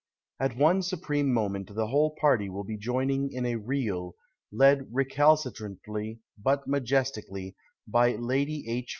At one supreme moment the whole party will be joining in a Reel, led recalcitrantly but majestically by Liidy II.